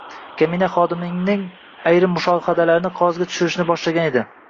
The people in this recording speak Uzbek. Kamina xodimingiz ayrim mushohadalarni qog‘ozga tushirishni boshlagan edi.